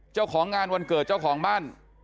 เจ้าของงานวันเกิดเจ้าของบ้าน